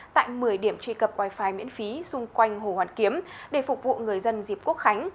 tại một mươi điểm truy cập wifi miễn phí xung quanh hồ hoàn kiếm để phục vụ người dân dịp quốc khánh